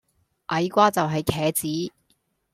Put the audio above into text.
矮瓜就係茄子